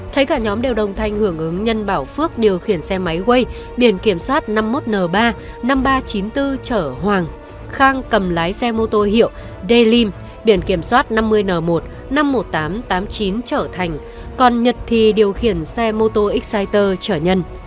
thấy cả nhóm đều đồng thanh hưởng ứng nhân bảo phước điều khiển xe máy quay biển kiểm soát năm mươi một n ba năm nghìn ba trăm chín mươi bốn chở hoàng khang cầm lái xe mô tô hiệu de lim biển kiểm soát năm mươi n một năm mươi một nghìn tám trăm tám mươi chín trở thành còn nhật thì điều khiển xe mô tô exciter chở nhân